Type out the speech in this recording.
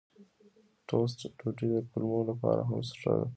ټوسټ ډوډۍ د کولمو لپاره هم ښه ده.